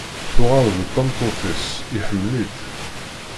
Tuɣal d tameṭṭut-is, iḥemmel-itt.